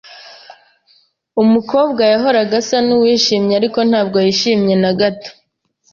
Umukobwa yahoraga asa nuwishimye, ariko ntabwo yishimye na gato.